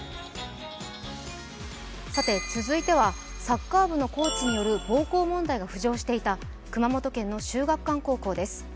続いてはサッカー部のコーチによる暴行問題が浮上していた熊本県の秀岳館高校です。